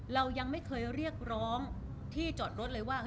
เรายังไม่เคยเรียกร้องที่จอดรถเลยว่า